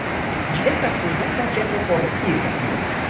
Ĝi estas uzata ĉefe por irigacio.